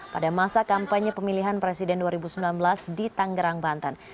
pada masa kampanye pemilihan presiden dua ribu sembilan belas di tanggerang banten